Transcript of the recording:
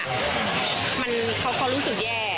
มันเค้าค่อนรู้สึกแย่